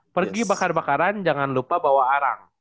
pergi bakar bakaran jangan lupa bawa arang